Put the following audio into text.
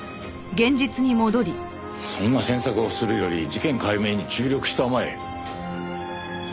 そんな詮索をするより事件解明に注力したまえよ。